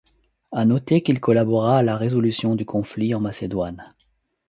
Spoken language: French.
À noter qu’il collabora à la résolution du conflit en Macédoine.